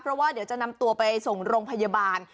เพราะว่าเดี๋ยวจะนำตัวไปส่งโรงพยาบาล